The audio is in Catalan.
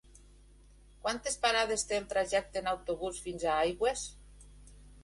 Quantes parades té el trajecte en autobús fins a Aigües?